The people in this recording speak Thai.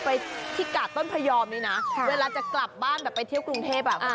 ไปที่กาดต้นพยอมนี้นะเวลาจะกลับบ้านแบบไปเที่ยวกรุงเทพอ่ะ